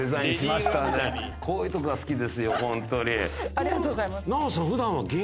ありがとうございます。